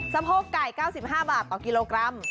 โพกไก่๙๕บาทต่อกิโลกรัม